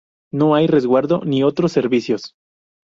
No hay resguardo ni otros servicios.